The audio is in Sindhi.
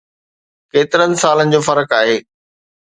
ڪيترن سالن جو فرق آهي.